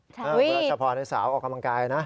เฉพาะเด็กสาวออกกำลังกายนะ